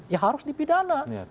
ya harus dipidana